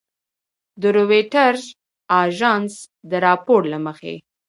د رویټرز اژانس د راپور له مخې